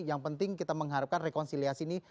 yang penting kita mengharapkan rekonsiliasi ini